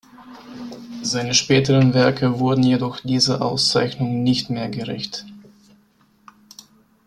Seine späteren Werke wurden jedoch dieser Auszeichnung nicht mehr gerecht.